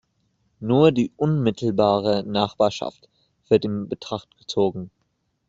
Nur die unmittelbare Nachbarschaft wird in Betracht gezogen.